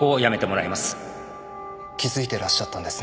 気付いてらっしゃったんですね。